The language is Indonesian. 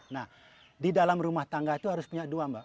nah di dalam rumah tangga itu harus punya dua mbak